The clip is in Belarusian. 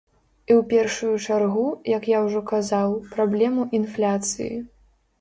І ў першую чаргу, як я ўжо казаў, праблему інфляцыі.